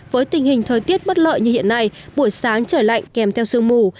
với tình hình thời tiết bất lợi như hiện nay buổi sáng trời lạnh kèm theo sương mù